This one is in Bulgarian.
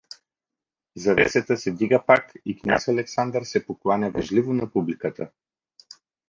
Завесата се дига пак и княз Александър се покланя вежливо на публиката.